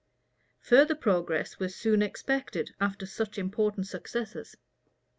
Further progress was soon expected, after such important successes.